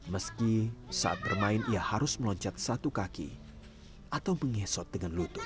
meski saat bermain ia harus meloncat satu kaki atau pengesot dengan lutut